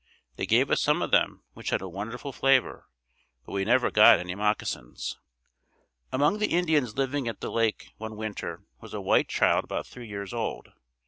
They gave us some of them which had a wonderful flavor, but we never got any moccasins. Among the Indians living at the lake one winter was a white child about three years old.